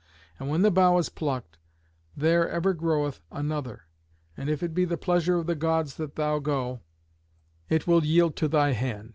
And when the bough is plucked, there ever groweth another; and if it be the pleasure of the Gods that thou go, it will yield to thy hand.